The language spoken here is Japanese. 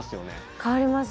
変わります。